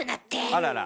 あらら。